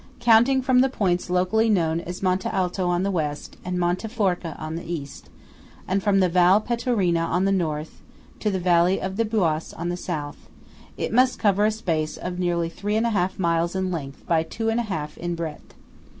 Counting from the points locally known as Monte Alto on the West, and Monte Forca on the East, and from the Val Pettorina on the North to the valley of the Biois on the South, it must cover a space of nearly three and half miles in length by two and a half in breadth.